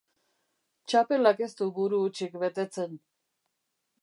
Txapelak ez du buru hutsik betetzen.